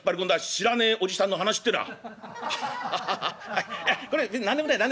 知らねえおじさんの話ってのは」。